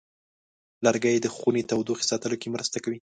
لرګی د خونې تودوخې ساتلو کې مرسته کوي.